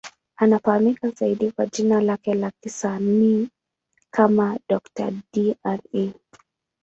Anafahamika zaidi kwa jina lake la kisanii kama Dr. Dre.